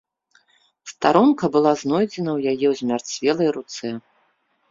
Старонка была знойдзена ў яе ў змярцвелай руцэ.